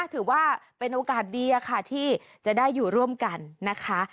ถือว่าเป็นโอกาสดีค่ะที่จะได้อยู่ร่วมกันนะคะ